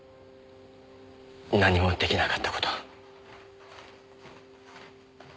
何も出来なかった事。